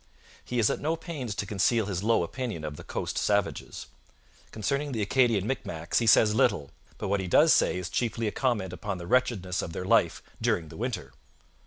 He is at no pains to conceal his low opinion of the coast savages. Concerning the Acadian Micmacs he says little, but what he does say is chiefly a comment upon the wretchedness of their life during the winter.